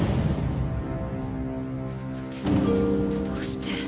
どうして？